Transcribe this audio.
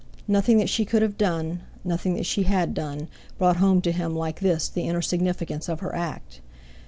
Nothing that she could have done, nothing that she had done, brought home to him like this the inner significance of her act.